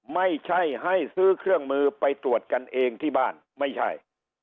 ไม่ใช่ให้ซื้อเครื่องมือไปตรวจกันเองที่บ้านไม่ใช่